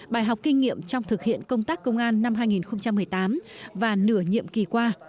bài học kinh nghiệm trong thực hiện công tác công an năm hai nghìn một mươi tám và nửa nhiệm kỳ qua